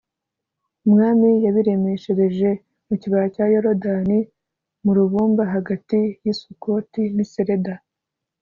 umwami yabiremeshereje mu kibaya cya yorodani mu rubumba hagati y'i sukoti n'i sereda